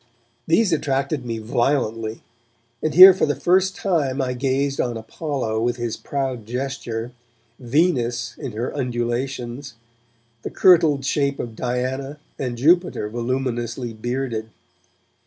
These attracted me violently, and here for the first time I gazed on Apollo with his proud gesture, Venus in her undulations, the kirtled shape of Diana, and Jupiter voluminously bearded.